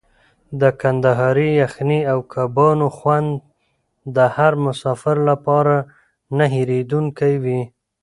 د کندهاري یخني او کبابونو خوند د هر مسافر لپاره نه هېرېدونکی وي.